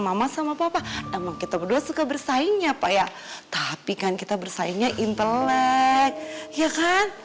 mama sama papa emang kita berdua suka bersaing ya pak ya tapi kan kita bersaingnya intelek ya kan